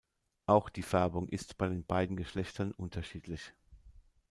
Auch die Färbung ist bei den beiden Geschlechtern unterschiedlich.